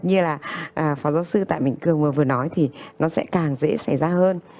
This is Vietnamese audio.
như là phó giáo sư tại bình cường vừa nói thì nó sẽ càng dễ xảy ra hơn